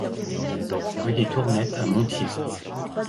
Rue des Tournettes à Montiers